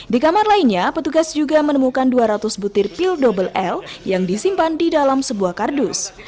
di kamar lainnya petugas juga menemukan dua ratus butir pil double l yang disimpan di dalam sebuah kardus